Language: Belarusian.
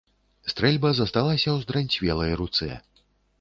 Стрэльба засталася ў здранцвелай руцэ.